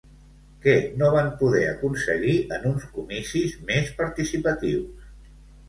Què no van poder aconseguir en uns comicis més participatius?